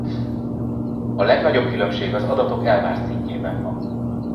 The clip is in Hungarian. A legnagyobb különbség az adatok elvárt szintjében van.